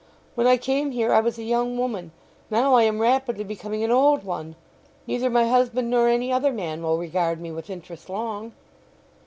When I came here I was a young woman; now I am rapidly becoming an old one. Neither my husband nor any other man will regard me with interest long."